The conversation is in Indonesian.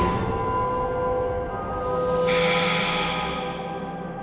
aku akan menang